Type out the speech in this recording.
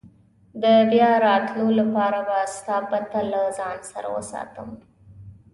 د بیا راتلو لپاره به ستا پته له ځان سره وساتم.